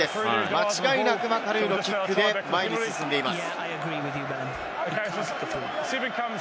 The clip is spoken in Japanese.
間違いなくマカルーのキックで前に進んでいます。